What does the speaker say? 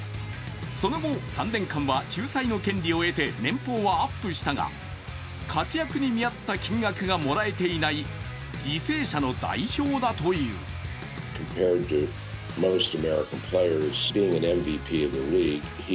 その後３年間は仲裁の権利を得て年俸はアップしたが、活躍に見合った金額がもらえていない犠牲者の代表だという。